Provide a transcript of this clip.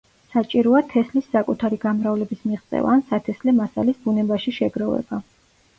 საჭიროა თესლის საკუთარი გამრავლების მიღწევა ან სათესლე მასალის ბუნებაში შეგროვება.